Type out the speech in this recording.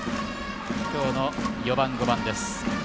今日の４番５番です。